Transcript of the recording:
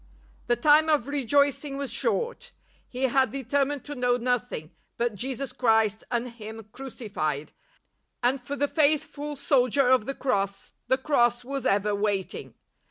The time of rejoicing was short. He had determined to know nothing " but Jesus Christ and Him crucified," and for the faithful soldier of the Cross, the Cross was ever waiting.